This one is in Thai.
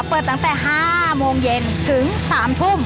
เปิดตั้งแต่๕โมงเย็นถึง๓ทุ่ม